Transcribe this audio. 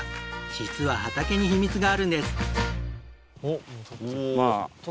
実は畑に秘密があるんです。